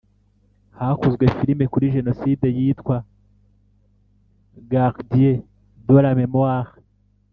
Hakozwe filimi kuri Jenoside yitwa Gardiens de la Memoire